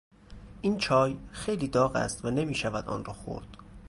این چای خیلی داغ است و نمیشود آن را خورد.